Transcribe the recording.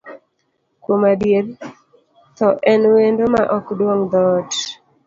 Kuom adier, thoo en wendo ma ok duong' dhoot.